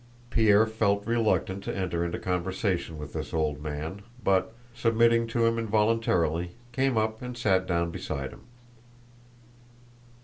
Pierre felt reluctant to enter into conversation with this old man, but, submitting to him involuntarily, came up and sat down beside him.